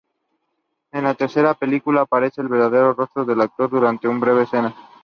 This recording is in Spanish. En la tercera película aparece el verdadero rostro del actor durante una breve escena.